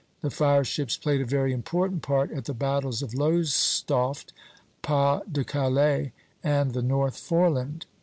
The fire ships played a very important part at the battles of Lowestoft, Pas de Calais, and the North Foreland.